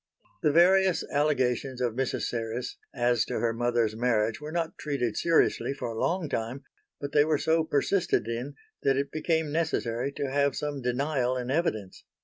The various allegations of Mrs. Serres as to her mother's marriage were not treated seriously for a long time but they were so persisted in that it became necessary to have some denial in evidence.